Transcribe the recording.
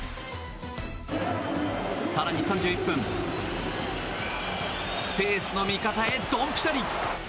更に３１分、スペースの味方へドンピシャリ。